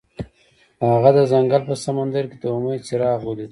هغه د ځنګل په سمندر کې د امید څراغ ولید.